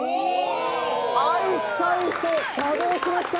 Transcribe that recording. アイサイト作動しました！